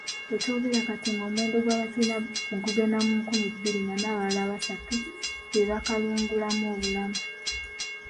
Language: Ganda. Wetwogerera kati ng'omuwendo gw'abakirina gugenda mu nkumi bbiri nga n'abalala asatu bebakalugulamu obulamu.